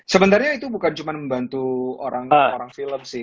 sebenarnya itu bukan cuma membantu orang film sih